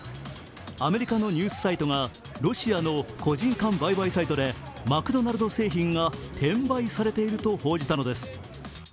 アメリカのニュースサイトがロシアの個人間売買サイトでマクドナルド製品が転売されていると報じたのです。